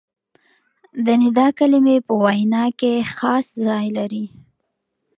د ندا کلیمې په وینا کښي خاص ځای لري.